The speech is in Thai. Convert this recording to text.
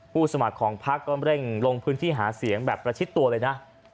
สมัครของพักก็เร่งลงพื้นที่หาเสียงแบบประชิดตัวเลยนะ